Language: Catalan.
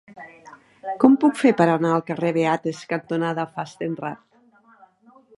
Com ho puc fer per anar al carrer Beates cantonada Fastenrath?